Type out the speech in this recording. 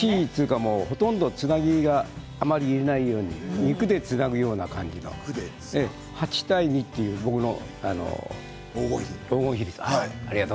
ほとんどつなぎがあまり入れないような肉でつなぐような感じの８対２という僕の黄金比です。